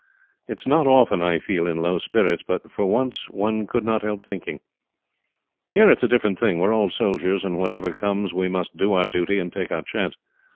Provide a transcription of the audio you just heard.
It is not often I feel in low spirits, but for once one could not help thinking. Here it is a different thing; we are all soldiers, and whatever comes we must do our duty and take our chance.